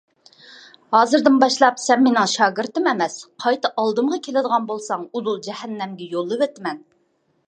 ھازىردىن باشلاپ سەن مېنىڭ شاگىرتىم ئەمەس! قايتا ئالدىمغا كېلىدىغان بولساڭ ئۇدۇل جەھەننەمگە يوللىۋېتىمەن!